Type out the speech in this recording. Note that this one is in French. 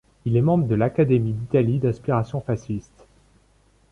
Il est membre de l'Académie d'Italie d'inspiration fasciste.